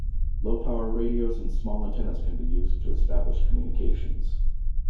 Low power radios and small antennas can be used to establish communications.